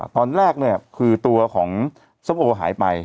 ตอนแรกเนี่ยคือตัวของส้มโอหายไป